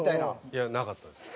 いやなかったです。